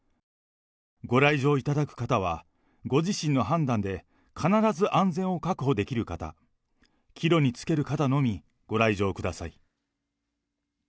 ご来場いただく方は、ご自身の判断で必ず安全を確保できる方、帰路につける方のみ、ご来場ください。